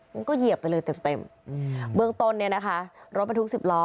มันก็เหยียบไปเลยเต็มเบื้องต้นนี้นะคะรถมันถูก๑๐ล้อ